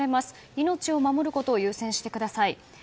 命を守ることを優先してください。